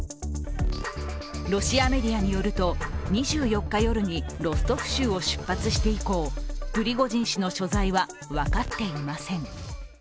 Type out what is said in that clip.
ロシアメディアによると２４日夜に、ロストフ州を出発して以降プリゴジン氏の所在は分かっていません。